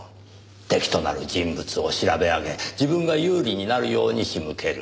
敵となる人物を調べ上げ自分が有利になるように仕向ける。